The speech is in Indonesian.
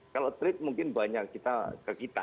kalau treat mungkin banyak kita ke kita